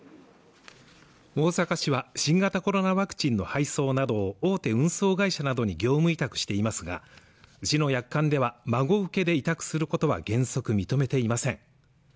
大阪市は新型コロナワクチンの配送など大手運送会社などに業務委託していますが市の約款では孫請けで委託することは原則認めていません